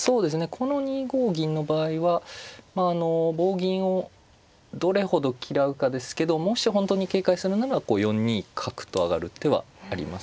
この２五銀の場合は棒銀をどれほど嫌うかですけどもし本当に警戒するなら４二角と上がる手はあります。